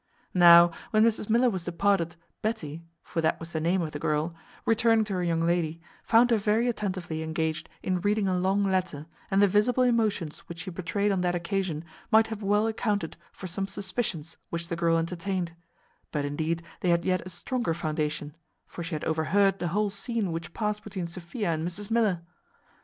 Now, when Mrs Miller was departed, Betty (for that was the name of the girl), returning to her young lady, found her very attentively engaged in reading a long letter, and the visible emotions which she betrayed on that occasion might have well accounted for some suspicions which the girl entertained; but indeed they had yet a stronger foundation, for she had overheard the whole scene which passed between Sophia and Mrs Miller.